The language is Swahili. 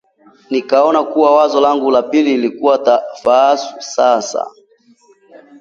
Nikaona kuwa wazo langu la pili lilikua faafu sasa